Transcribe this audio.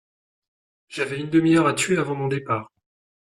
J’avais une demi-heure à tuer avant mon départ.